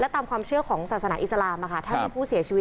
ตามความเชื่อของศาสนาอิสลามถ้ามีผู้เสียชีวิต